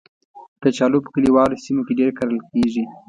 کچالو په کلیوالو سیمو کې ډېر کرل کېږي